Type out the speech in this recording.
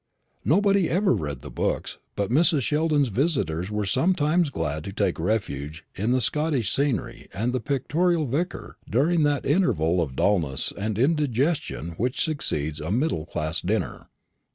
Nobody ever read the books; but Mrs. Sheldon's visitors were sometimes glad to take refuge in the Scottish scenery and the pictorial Vicar during that interval of dulness and indigestion which succeeds a middle class dinner.